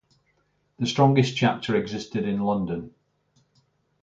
The strongest chapter existed in London.